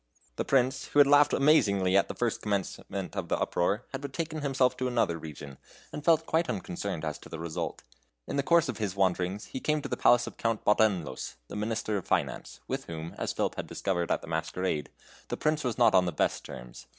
The Prince, who had laughed amazingly at the first commencement of the uproar, had betaken himself to another region, and felt quite unconcerned as to the result. In the course of his wanderings, he came to the palace of Count Bodenlos, the Minister of Finance, with whom, as Philip had discovered at the masquerade, the Prince was not on the best terms.